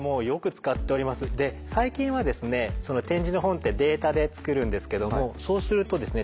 最近はですね点字の本ってデータで作るんですけどもそうするとですね